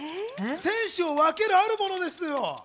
選手を分ける、あるものですよ。